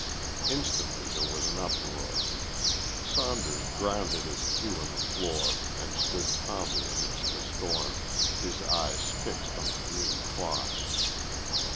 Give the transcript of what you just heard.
Instantly there was an uproar. Saunders grounded his cue on the floor and stood calmly amidst the storm, his eyes fixed on the green cloth.